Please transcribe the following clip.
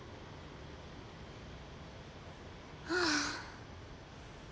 はあ。